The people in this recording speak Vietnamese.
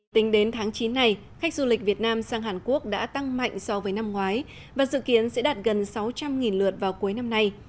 tính đến tháng chín này khách du lịch việt nam sang hàn quốc đã tăng mạnh so với năm ngoái và dự kiến sẽ đạt gần sáu trăm linh lượt vào cuối năm nay